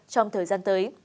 trong thời gian tới